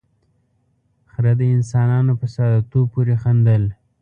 ، خره د انسانانو په ساده توب پورې خندل.